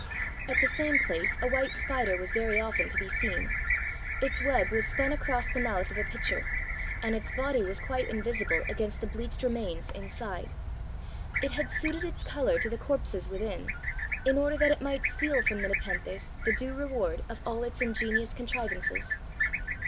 At the same place a white spider was very often to be seen. Its web was spun across the mouth of a pitcher, and its body was quite invisible against the bleached remains inside. It had suited its colour to the corpses within, in order that it might steal from the Nepenthes the due reward of all its ingenious contrivances!